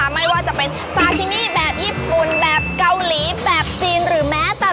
เลยนะคะไม่ว่าจะเป็นแบบญี่ปุ่นแบบเกาหลีแบบจีนหรือแม้แต่